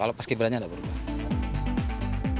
kalau paskibrakannya ada perubahan